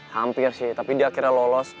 hampir sih tapi dia akhirnya lolos